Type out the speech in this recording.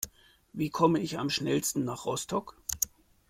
Wie komme ich am schnellsten nach Rostock?